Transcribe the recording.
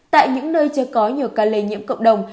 tại những nơi chưa có nhiều ca lây nhiễm cộng đồng